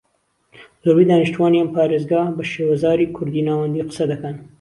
زۆربەی دانیشتوانی ئەم پارێزگا بە شێوەزاری کوردیی ناوەندی قسە دەکەن